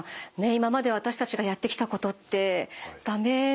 今まで私たちがやってきたことってダメなんですね。